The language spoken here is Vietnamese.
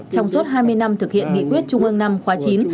trong suốt hai mươi năm thực hiện nghị